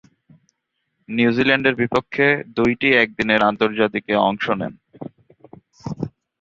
নিউজিল্যান্ডের বিপক্ষে দুইটি একদিনের আন্তর্জাতিকে অংশ নেন।